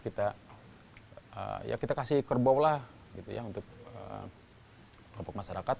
kita ya kita kasih kerbau lah gitu ya untuk kelompok masyarakat